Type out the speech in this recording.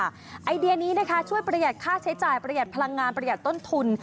ไอเดียนี้นะคะช่วยประหยัดค่าใช้จ่ายประหยัดพลังงานประหยัดต้นทุน